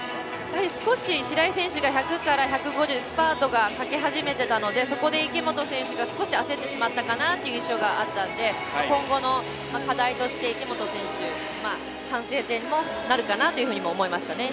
少し白井選手が１００から１５０、スパートかけられていたのでそこで池本選手が少し焦ってしまったかなという印象があったので今後の課題として池本選手、反省点になるかなと思いました。